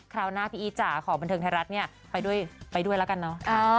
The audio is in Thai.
ราวหน้าพี่อีทจ๋าขอบันเทิงไทยรัฐเนี่ยไปด้วยแล้วกันเนอะ